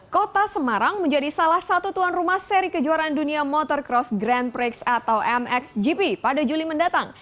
kota semarang menjadi salah satu tuan rumah seri kejuaraan dunia motorcross grand prix atau mxgp pada juli mendatang